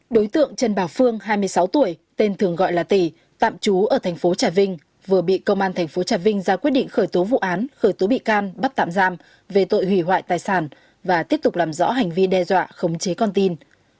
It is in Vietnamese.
đối tượng trần bảo phương hai mươi sáu tuổi tên thường gọi là tỉ tạm trú ở tp chà vinh vừa bị công an tp chà vinh ra quyết định khởi tố vụ án khởi tố bị can bắt tạm giam về tội hủy hoại tài sản và tiếp tục làm rõ hành vi đe dọa không chế con tin